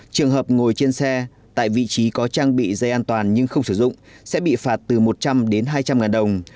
trường hợp ngồi trên xe tại vị trí có trang bị dây an toàn nhưng không sử dụng sẽ bị phạt từ một trăm linh đến hai trăm linh ngàn đồng